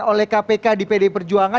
oleh kpk di pdi perjuangan